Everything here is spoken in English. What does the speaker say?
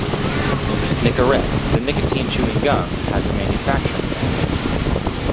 Nicorette, the nicotine chewing gum, has a manufacturing plant there.